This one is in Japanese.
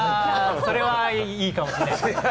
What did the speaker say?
それはいいかもしれない。